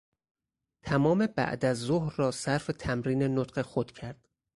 تمام بعدازظهر را صرف تمرین نطق خود کرد.